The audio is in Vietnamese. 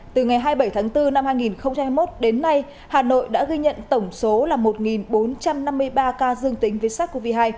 từ ngày hai mươi bảy tháng bốn năm hai nghìn hai mươi một đến nay hà nội đã ghi nhận tổng số là một bốn trăm năm mươi ba ca dương tính với sars cov hai